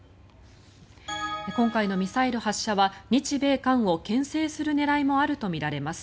今回のミサイル発射は日米韓をけん制する狙いもあるとみられます。